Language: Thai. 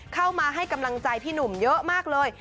เข้ามาให้กำลังใจพี่หนุ่มเยอะมากเลย